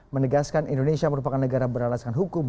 menegaskan indonesia merupakan negara beralaskan hukum